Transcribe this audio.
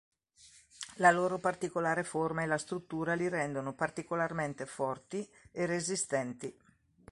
La loro particolare forma e la struttura li rendono particolarmente forti e resistenti.